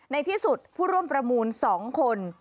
ในที่สุดผู้ร่วมประมูล๒คน